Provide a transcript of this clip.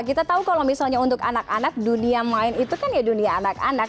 kita tahu kalau misalnya untuk anak anak dunia main itu kan ya dunia anak anak